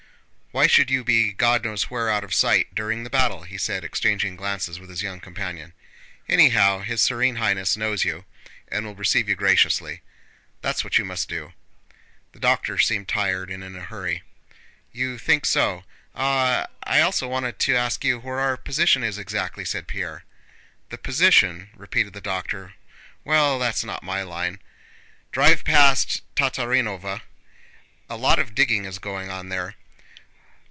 "Why should you be God knows where out of sight, during the battle?" he said, exchanging glances with his young companion. "Anyhow his Serene Highness knows you and will receive you graciously. That's what you must do." The doctor seemed tired and in a hurry. "You think so?... Ah, I also wanted to ask you where our position is exactly?" said Pierre. "The position?" repeated the doctor. "Well, that's not my line. Drive past Tatárinova, a lot of digging is going on there.